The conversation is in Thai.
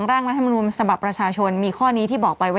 รุมสมบัติประชาชนมีข้อนี้ที่บอกไปว่า